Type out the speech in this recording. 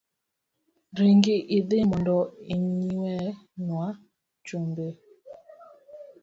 Ringi idhi mondo inyiewna chumbi.